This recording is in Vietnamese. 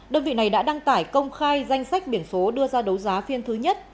đơn vị này đã đăng tải công khai danh sách biển số đưa ra đấu giá phiên thứ nhất